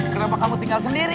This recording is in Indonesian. kenapa kamu tinggal sendiri